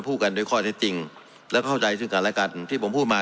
พูดกันด้วยข้อเท็จจริงและเข้าใจซึ่งกันและกันที่ผมพูดมา